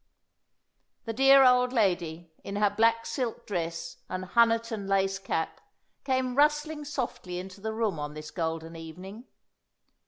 The dear old lady, in her black silk dress and Honiton lace cap, came rustling softly into the room on this golden evening.